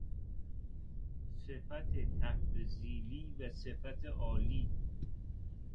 صفت تفضیلی و صفت عالی